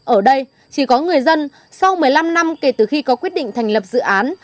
ở đây chỉ có người dân sau một mươi năm năm kể từ khi có quyết định thành lập dự án